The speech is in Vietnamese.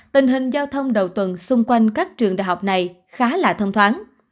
tình hình giao thông đầu tuần xung quanh các trường đại học này khá là thông thoáng